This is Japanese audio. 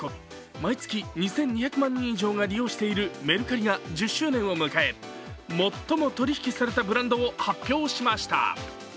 毎月２２００万人以上が利用しているメルカリが１０周年を迎え最も取り引きされたブランドを発表しました。